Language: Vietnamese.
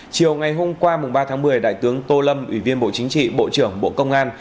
chiều ngày hôm qua ba tháng một mươi đại tướng tô lâm ủy viên bộ chính trị bộ trưởng bộ công an